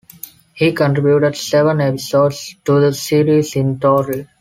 He contributed seven episodes to the series in total.